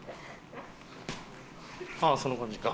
ああその感じか。